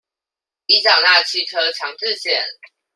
已繳納機車強制險